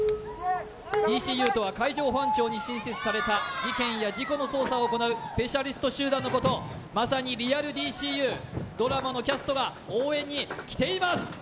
ＤＣＵとは海上保安庁に新設された事件や事故の捜査を行うスペシャリスト集団のことまさにリアルＤＣＵドラマのキャストが応援に来ています！